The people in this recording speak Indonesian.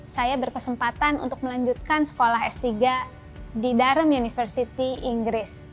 saya berkesempatan untuk melanjutkan sekolah s tiga di darrem university inggris